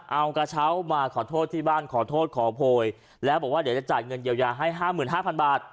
เอากระเช้ามาขอโทษที่บ้านขอโทษขอโพยแล้วบอกว่าเดี๋ยวจะจ่ายเงินเยียวยาให้ห้าหมื่นห้าพันบาท